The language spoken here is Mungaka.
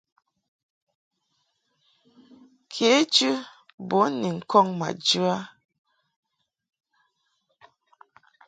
Kejɨ bun ni ŋkɔŋ ma jɨ a.